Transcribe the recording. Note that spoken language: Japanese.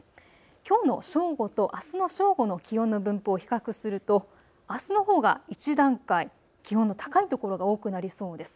きょうの正午とあすの正午の気温の分布を比較するとあすのほうが一段階、気温の高い所が多くなりそうです。